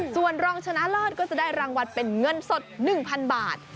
ส่วนรองชนะเลิศก็จะได้รางวัลเป็นเงินสด๑๐๐๐บาท